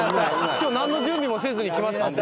「今日なんの準備もせずに来ましたんで」